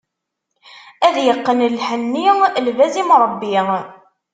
Ad yeqqen lḥenni, lbaz imṛebbi.